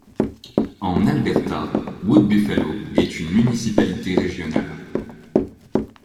En Alberta, Wood Buffalo est une municipalité régionale.